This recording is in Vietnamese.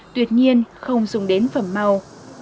tuyệt nhiên không dùng đến phẩm màu